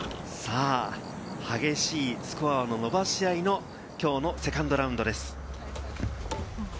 激しいスコアの伸ばし合いのきょうのセカンドラウンドです。